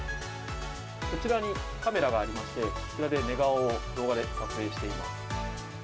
こちらにカメラがありまして、こちらで寝顔を動画で撮影しています。